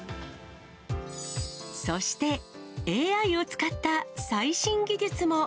そして、ＡＩを使った最新技術も。